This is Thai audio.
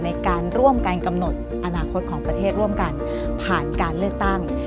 ในการร่วมกันกำหนดอนาคตของประเทศร่วมกันผ่านการเลือกตั้ง